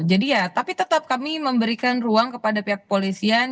jadi ya tapi tetap kami memberikan ruang kepada pihak kepolisian